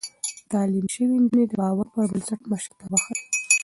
تعليم شوې نجونې د باور پر بنسټ مشرتابه ښيي.